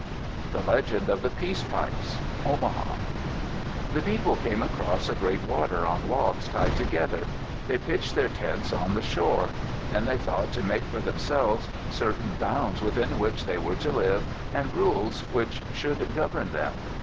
THE LEGEND OF THE PEACE PIPES Omaha The people came across a great water on logs tied together. They pitched their tents on the shore. Then they thought to make for themselves certain bounds within which they were to live and rules which should govern them.